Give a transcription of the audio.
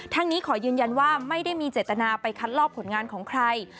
นี้ขอยืนยันว่าไม่ได้มีเจตนาไปคัดลอบผลงานของใคร